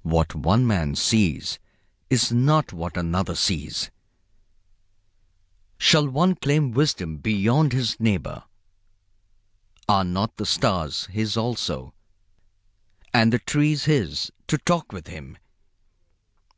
What one man sees is not what another sees. Shall one claim wisdom beyond his neighbor? Are not the stars his also, and the trees his, to talk with him?